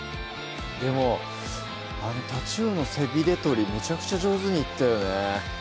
でもあのたちうおの背びれ取りめちゃくちゃ上手にいったよね